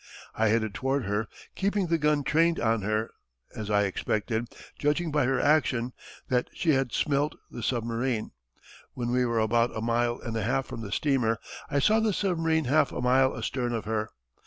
I headed toward her, keeping the gun trained on her, as I expected, judging by her action, that she had smelt the submarine. When we were about a mile and a half from the steamer I saw the submarine half a mile astern of her.